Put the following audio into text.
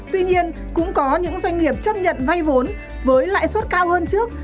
tuy nhiên cũng có những doanh nghiệp chấp nhận vay vốn với lãi suất cao hơn trước